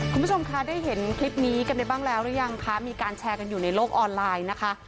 คุณผู้ชมคะได้เห็นคลิปนี้กันไปบ้างแล้วหรือยังคะมีการแชร์กันอยู่ในโลกออนไลน์นะคะ